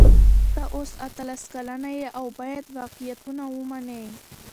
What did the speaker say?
ته اوس اتلس کلنه یې او باید واقعیتونه ومنې.